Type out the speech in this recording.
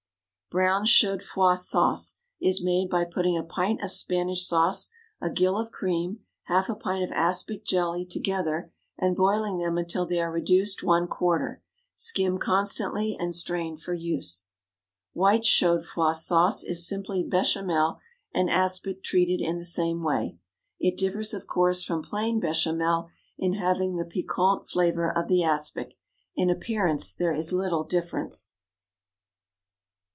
Brown Chaudfroid Sauce is made by putting a pint of Spanish sauce, a gill of cream, half a pint of aspic jelly together, and boiling them until they are reduced one quarter. Skim constantly, and strain for use. White Chaudfroid Sauce is simply béchamel and aspic treated in the same way. It differs, of course, from plain béchamel in having the piquant flavor of the aspic; in appearance there is little difference.